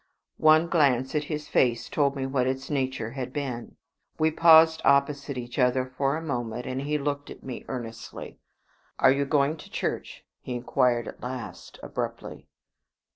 One glance at his face told me what its nature had been. We paused opposite each other for a moment, and he looked at me earnestly. "Are you going to church?" he inquired at last, abruptly.